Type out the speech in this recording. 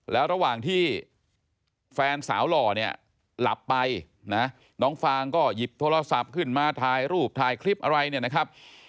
แล้วระหว่างที่แฟนสาวหล่อเนี่ยหลับไปนะน้องฟางก็หยิบโทรศัพท์ขึ้นมาถ่ายรูปถ่ายคลิปอะไรเนี่ยนะครับ